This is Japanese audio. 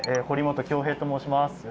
堀本恭平と申します。